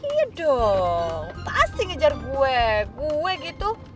iya dong pasti ngejar gue kue gitu